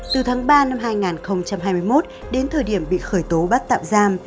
từ tháng ba năm hai nghìn hai mươi một đến thời điểm bị khởi tố bắt tạm giam